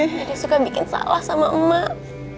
suka bikin salah sama emak